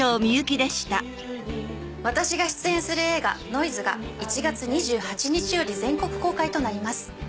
私が出演する映画『ノイズ』が１月２８日より全国公開となります。